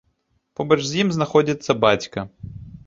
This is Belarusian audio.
Побач з ім знаходзіцца бацька.